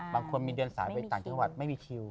บางคนมีเดินสายไปต่างจังหวัดไม่มีคิว